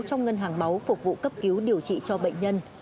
trong ngân hàng máu phục vụ cấp cứu điều trị cho bệnh nhân